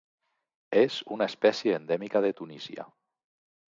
És una espècie endèmica de Tunísia.